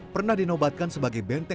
pernah dinobatkan sebagai benteng